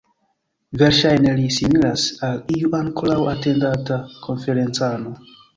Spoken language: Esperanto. Verŝajne li similas al iu ankoraŭ atendata konferencano.